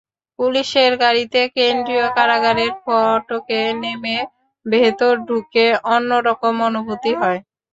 পুলিশের গাড়িতে কেন্দ্রীয় কারাগারের ফটকে নেমে ভেতরে ঢুকে অন্য রকম অনুভূতি হয়।